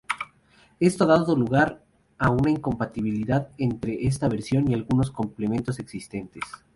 Esto ha dado lugar a una incompatibilidad entre esta versión y algunos complementos existentes.